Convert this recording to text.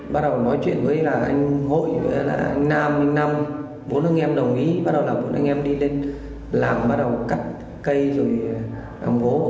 bốn anh em đồng ý bắt đầu là bốn anh em đi lên làm bắt đầu cắt cây rồi ổng vô